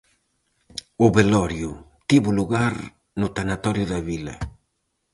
O velorio tivo lugar no tanatorio da vila.